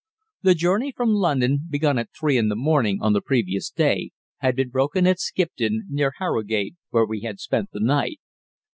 The journey from London, begun at three in the morning on the previous day, had been broken at Skipton, near Harrogate, where we had spent the night.